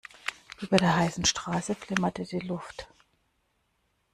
Über der heißen Straße flimmerte die Luft.